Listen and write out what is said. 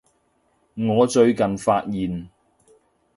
我最近發現